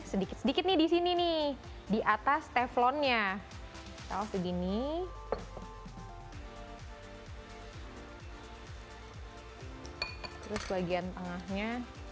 sedikit sedikit nih di sini nih di atas teflonnya kita masuk begini kita masuk ke dalamnya kita masuk ke dalamnya